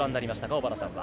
小原さんは。